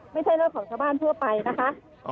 ไม่ใช่รถของชาวบ้านทั่วไปนะคะ